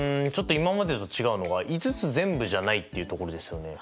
今までと違うのが５つ全部じゃないっていうところですよね。